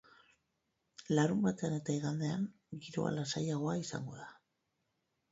Larunbatean eta igandean, giroa lasaiagoa izango da.